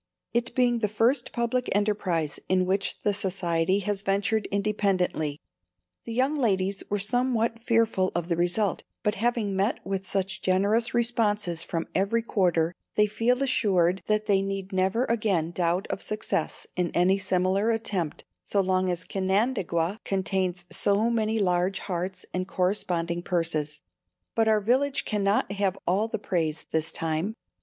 It being the first public enterprise in which the Society has ventured independently, the young ladies were somewhat fearful of the result, but having met with such generous responses from every quarter they feel assured that they need never again doubt of success in any similar attempt so long as Canandaigua contains so many large hearts and corresponding purses. But our village cannot have all the praise this time.